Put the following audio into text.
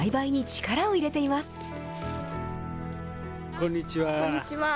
こんにちは。